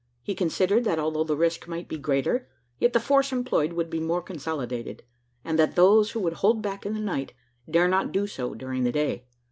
He considered that although the risk might be greater, yet the force employed would be more consolidated, and that those who would hold back in the night dare not do so during the day.